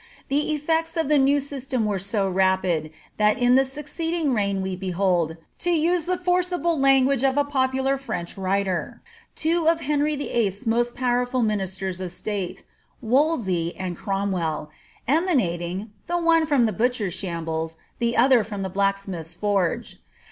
The effects of the new system were •0 rapid, that in the succeeding reign we behold, to use the forcible language of a popular French writer, two of Henry YHL's roost powerful ministers of state, Wolsey and Cromwell, emanating, the one from the butcher's shambles, the other from the blacksmith's forge.